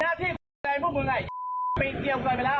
หน้าที่ของพวกมึงไงปีเกียวเกินไปแล้ว